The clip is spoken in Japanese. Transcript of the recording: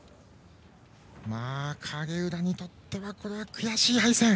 影浦にとってはこれは悔しい敗戦。